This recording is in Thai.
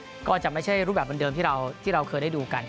แล้วก็จะไม่ใช่รูปแบบเหมือนเดิมที่เราเคยได้ดูกัน